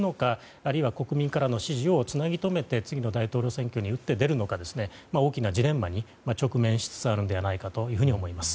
あるいは国民からの支持をつなぎとめて次の大統領選挙に打って出るのか大きなジレンマに直面しつつあるのではないかと思います。